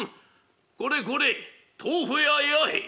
これこれ豆腐屋弥兵衛。